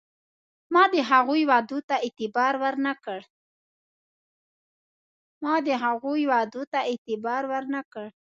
ما د هغوی وعدو ته اعتبار ور نه کړ.